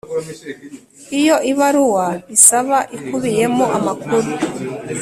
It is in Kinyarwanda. Iyo ibaruwa isaba ikubiyemo amakuru